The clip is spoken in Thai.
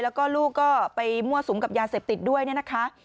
แล้วก็ลูกก็ไปมั่วสุมกับยาเสพติดด้วยเนี่ยนะคะ